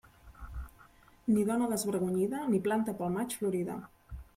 Ni dona desvergonyida ni planta pel maig florida.